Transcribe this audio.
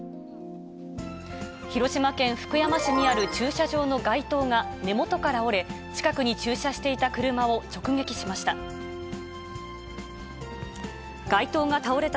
広島県福山市にある駐車場の街灯が根元から折れ、近くに駐車していた車を直撃しました。